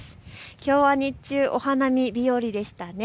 きょうは日中お花見日和でしたね。